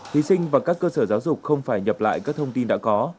thí sinh và các cơ sở giáo dục không phải nhập lại các thông tin đã có